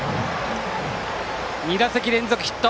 ２打席連続ヒット。